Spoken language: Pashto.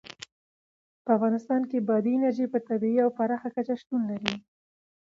په افغانستان کې بادي انرژي په طبیعي او پراخه کچه شتون لري.